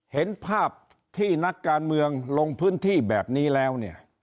เห็นภาพที่นักการเมืองลงพื้นที่แบบนี้แล้วเนี่ย